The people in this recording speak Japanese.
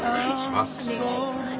お願いします。